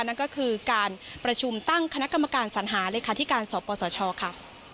นั่นก็คือการประชุมตั้งคณะกรรมการสัญหาเลขาธิการสปสชค่ะ